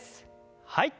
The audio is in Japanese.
はい。